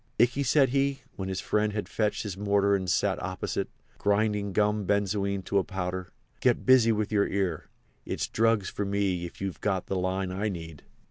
"Ikey," said he, when his friend had fetched his mortar and sat opposite, grinding gum benzoin to a powder, "get busy with your ear. It's drugs for me if you've got the line I need."